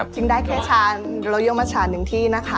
จึงได้แค่ชานละย่อมัชถึงคือ๑ที่นะคะ